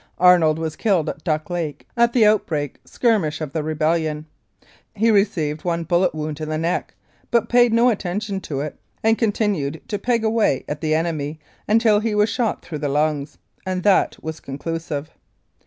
Arnold was killed at Duck Lake, at the outbreak skirmish of the rebellion. He received one bullet wound in the neck, but paid no attention to it, and continued to "peg away" at the enemy until he was shot through the lungs, and that was conclusive.